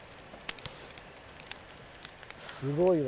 すごいわ。